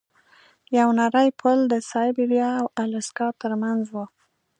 یو نری پل د سایبریا او الاسکا ترمنځ و.